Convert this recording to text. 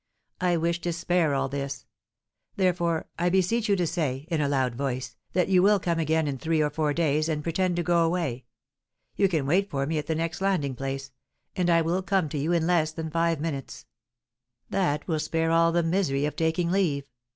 I wish to spare all this. Therefore, I beseech you to say, in a loud voice, that you will come again in three or four days, and pretend to go away. You can wait for me at the next landing place, and I will come to you in less than five minutes; that will spare all the misery of taking leave.